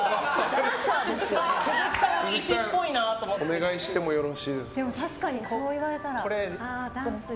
お願いしてもよろしいですか。